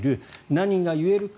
何が言えるか。